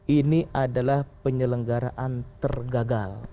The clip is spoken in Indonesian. ini adalah penyelenggaraan tergagal